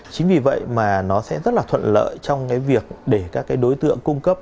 chính vì vậy mà nó sẽ rất là thuận lợi trong cái việc để các đối tượng cung cấp